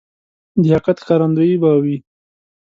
لیاقت ښکارندوی به وي.